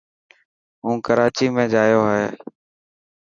هون ڪراچي ۾ جايو هي.